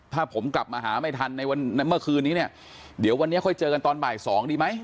ถ้าผมกลับมาหาไม่ทันในวันเมื่อคืนนี้เนี่ยเดี๋ยววันนี้ค่อยเจอกันตอนบ่ายสองดีไหม